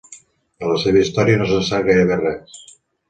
De la seva història no se'n sap gairebé res.